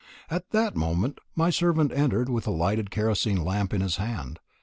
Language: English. At that moment my servant entered with a lighted kerosene lamp in his hand.